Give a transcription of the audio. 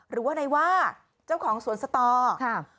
หรือว่าในว่าเจ้าของสวนสตอค่ะ